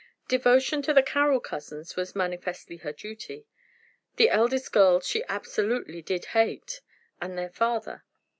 Devotion to the Carroll cousins was manifestly her duty. The two eldest girls she absolutely did hate, and their father.